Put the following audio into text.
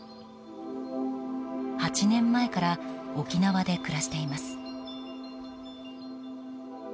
８年前から沖縄で暮らしています。